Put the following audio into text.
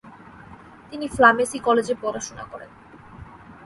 তিনি ফ্লামেসি কলেজে পড়াশুনা করেন।